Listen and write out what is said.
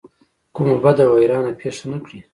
کومه بده ویرانه پېښه نه کړي.